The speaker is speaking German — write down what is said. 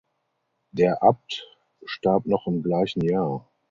Der Abt starb noch im gleichen Jahr.